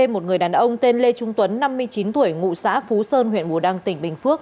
một người đàn ông tên lê trung tuấn năm mươi chín tuổi ngụ xã phú sơn huyện bù đăng tỉnh bình phước